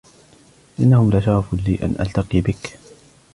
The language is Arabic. إنه لشرف لي أن ألتقي بك.